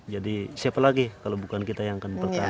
jadi siapa lagi kalau bukan kita yang akan bertahan